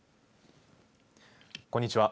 こんにちは。